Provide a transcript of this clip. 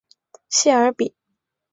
谢尔比。